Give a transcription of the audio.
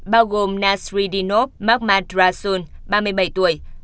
bao gồm nasreddinov magmadrasun ba mươi bảy tuổi